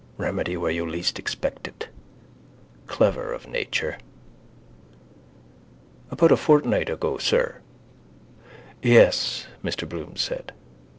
Remedy where you least expect it. Clever of nature. —About a fortnight ago, sir? —Yes, Mr Bloom said.